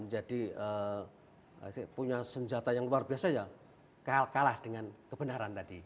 menjadi punya senjata yang luar biasa ya kalah dengan kebenaran tadi